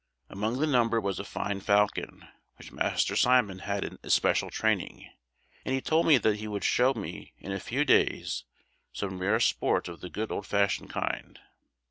Among the number was a fine falcon, which Master Simon had in especial training, and he told me that he would show me, in a few days, some rare sport of the good old fashioned kind.